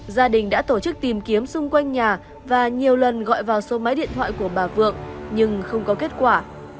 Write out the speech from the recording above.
gia đình đã tổ chức tìm kiếm xung quanh nhà và nhiều lần gọi vào số máy điện thoại của bà vượng nhưng không có kết quả